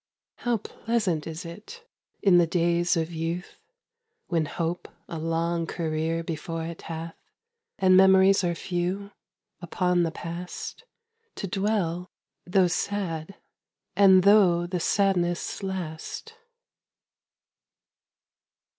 How pleasant is it, in the days of youth, When hope a long career before it hath, And memories are few, upon the past To dwell, though sad, and though the sadness last!